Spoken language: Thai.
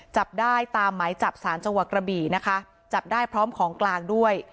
จับได้ตามหมายจับสารจังหวัดกระบี่นะคะจับได้พร้อมของกลางด้วย